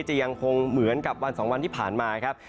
จะยังคงเหมือนกับวัน๒วันที่ผ่านมาครับ